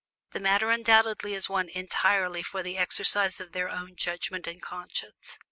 The matter undoubtedly is one entirely for the exercise of their own judgment and conscience.